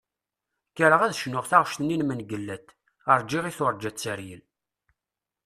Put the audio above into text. Kkreɣ ad d-cnuɣ taɣect-nni n Mengellat "Rğiɣ i turğa teryel".